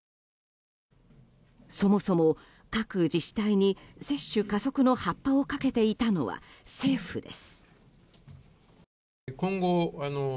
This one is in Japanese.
そもそも、各自治体に接種加速の発破をかけていたのは政府です。